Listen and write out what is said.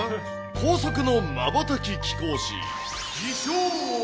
高速のまばたき貴公子。